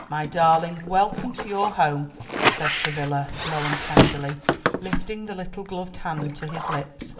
"My darling, welcome to your home," said Travilla low and tenderly, lifting the little gloved hand to his lips.